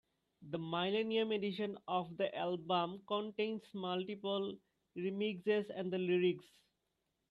The millennium edition of the album contains multiple remixes and the lyrics.